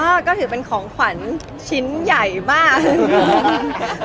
ก็ถือเป็นของขวัญชิ้นใหญ่มากเลย